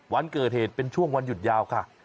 วันเกิดเหตุเป็นช่วงวันหยุดยาวค่ะ